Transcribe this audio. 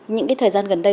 những cái thời gian gần đây